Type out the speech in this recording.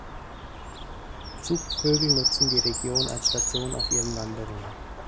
Zugvögel nützen die Region als Station auf ihren Wanderungen.